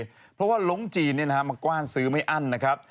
เพราะว่าลงจีนมากว้านซื้อไม่อั้นนะครับ